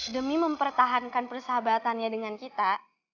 demi mempertahankan persahabatannya dengan kita